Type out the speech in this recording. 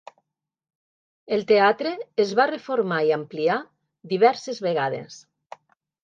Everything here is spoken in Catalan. El teatre es va reformar i ampliar diverses vegades.